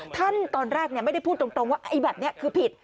ตอนแรกไม่ได้พูดตรงว่าไอ้แบบนี้คือผิด